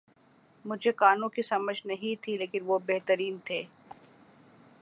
مجھے گانوں کی سمجھ نہیں تھی لیکن وہ بہترین تھے